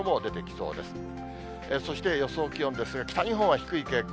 そして予想気温ですが、北日本は特に低い傾向。